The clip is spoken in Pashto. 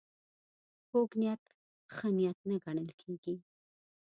کوږ نیت ښه نیت نه ګڼل کېږي